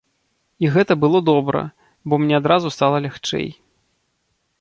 І гэта было добра, бо мне адразу стала лягчэй.